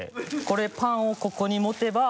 これパンをここに持てば。